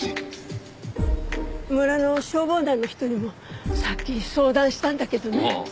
村の消防団の人にもさっき相談したんだけどね。